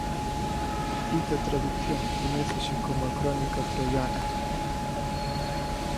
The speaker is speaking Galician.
Dita tradución coñécese como a "Crónica troiana".